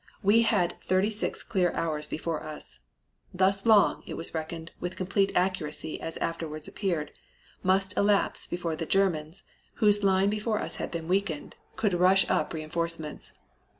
We had thirty six clear hours before us. Thus long, it was reckoned (with complete accuracy as afterwards appeared), must elapse before the Germans, whose line before us had been weakened, could rush up reinforcements.